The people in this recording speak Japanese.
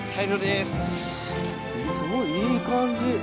すごいいい感じ。